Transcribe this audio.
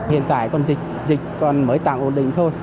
hiện tại còn dịch còn mới tạm ổn định thôi